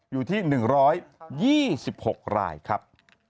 อยู่ที่๑๒๖รายครับ